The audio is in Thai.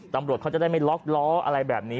ตำรวจเขาจะได้ไม่ล็อกล้ออะไรแบบนี้